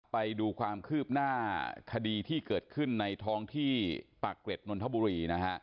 ไปดูความคืบหน้าคดีที่เกิดขึ้นในท้องที่ปากเกร็ดนนทบุรีนะฮะ